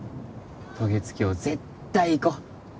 渡月橋絶対行こ！